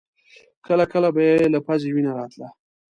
کله کله به يې له پزې وينه راتله.